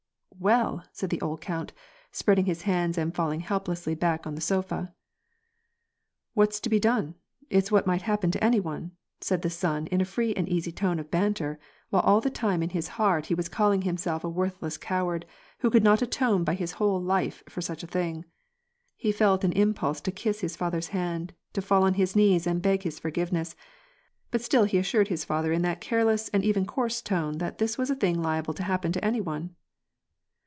" Well !" said the old count, spreading his hands and falling helplessly back upon the sofa.. What's to be done ? It's what might happen to any one !" said the son in a free and easy tone of banter, while all the time in his heart he was calling himself a worthless coward, who could not atone by his whole life for such a thing. He felt an impulse to kiss his father's hands, to fall on his knees and beg his forgiveness, but still he assured his father in that careless and even coarse tone, that this was a thing liable to happen to any one